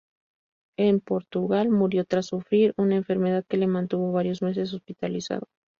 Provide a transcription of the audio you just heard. En Portugal murió tras sufrir una enfermedad que le mantuvo varios meses hospitalizado.